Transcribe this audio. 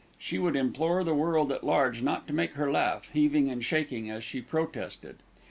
She would implore the world at large not to make her laugh, heaving and shaking as she protested.